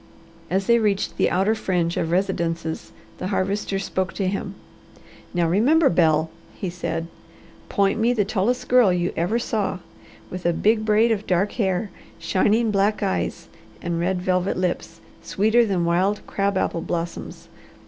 As they reached the outer fringe of residences the Harvester spoke to him. "Now remember, Bel," he said. "Point me the tallest girl you ever saw, with a big braid of dark hair, shining black eyes, and red velvet lips, sweeter than wild crab apple blossoms.